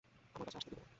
আমার কাছে আসতে দিবে না।